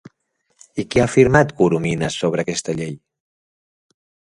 I què ha afirmat Corominas sobre aquesta llei?